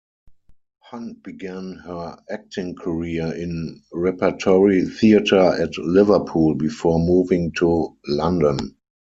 Hunt began her acting career in repertory theatre at Liverpool before moving to London.